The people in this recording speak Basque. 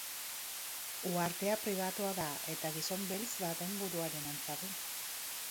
Uhartea pribatua da, eta gizon beltz baten buruaren antza du.